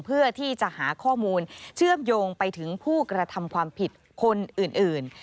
เพื่อที่จะหาข้อมูลเชื่อมโยงไปถึงผู้กระทำความผิดคนอื่น